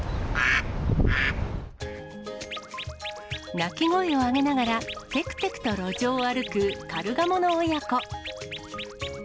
鳴き声を上げながら、てくてくと路上を歩くカルガモの親子。